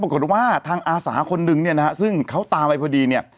ปรากฏว่าทางอาสาคนนึงเนี่ยนะฮะซึ่งเขาตามไปพอดีเนี่ย